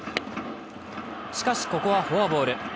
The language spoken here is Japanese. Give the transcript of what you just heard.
しかし、ここはフォアボール。